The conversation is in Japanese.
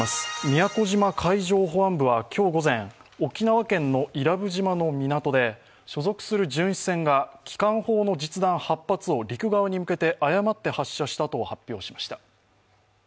宮古島海上保安部は今日午前沖縄県の伊良部島の港で所属する巡視船が機関砲の実弾８発を陸側に向けて誤って発射したと発表しました。